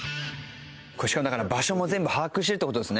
だから場所も全部把握してるって事ですね。